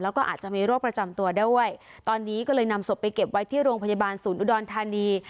แล้วก็อาจจะมีโรคประจำตัวด้วยตอนนี้ก็เลยนำศพไปเก็บไว้ที่โรงพยาบาลศูนย์อุดรธานี